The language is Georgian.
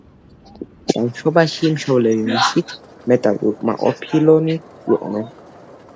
ბავშვობაში მშობლები მისით მეტად უკმაყოფილონი იყვნენ.